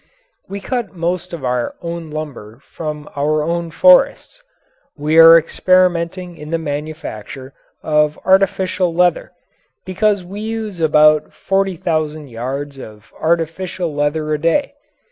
We cut most of our own lumber from our own forests. We are experimenting in the manufacture of artificial leather because we use about forty thousand yards of artificial leather a day.